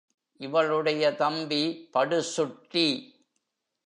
இவளுடைய தம்பி படுசுட்டி.